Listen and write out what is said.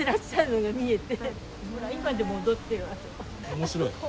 面白い。